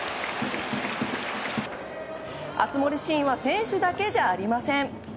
熱盛シーンは選手だけじゃありません。